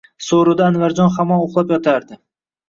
So`rida Anvarjon hamon uxlab yotardi